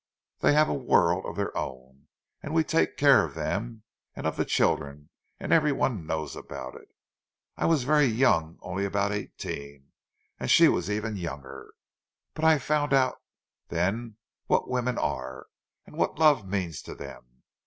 They have a world of their own, and we take care of them, and of the children; and every one knows about it. I was very young, only about eighteen; and she was even younger. But I found out then what women are, and what love means to them.